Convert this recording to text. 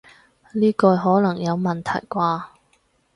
呢句可能有問題啩